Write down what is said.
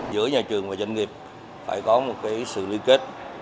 giữa nhà trường và doanh nghiệp phải có một cái sự lưu kết